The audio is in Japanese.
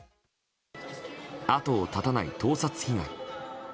後を絶たない盗撮被害。